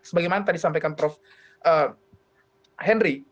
sebagaimana tadi sampaikan prof henry